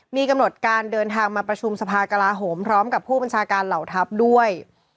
มีกำหนดการเดินทางมาประชุมสภากลาโหมพร้อมกับผู้บัญชาการเหล่าทัพด้วย